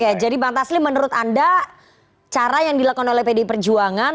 oke jadi bang taslim menurut anda cara yang dilakukan oleh pdi perjuangan